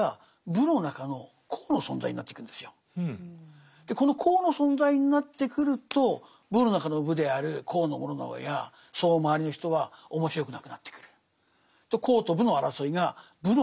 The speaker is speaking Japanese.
するとこの「公」の存在になってくると「武」の中の「武」である高師直やその周りの人は面白くなくなってくる。